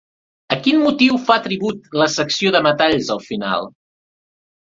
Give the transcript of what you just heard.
A quin motiu fa tribut la secció de metalls al final?